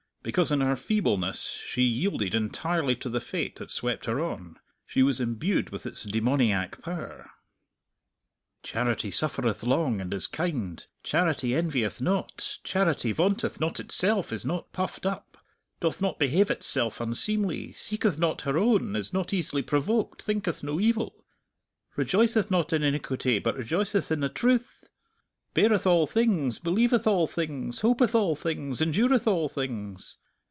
Because in her feebleness she yielded entirely to the fate that swept her on, she was imbued with its demoniac power. "'Charity suffereth long, and is kind; charity envieth not; charity vaunteth not itself, is not puffed up, "'Doth not behave itself unseemly, seeketh not her own, is not easily provoked, thinketh no evil; "'Rejoiceth not in iniquity, but rejoiceth in the truth; "_'Beareth all things, believeth all things, hopeth all things, endureth all things.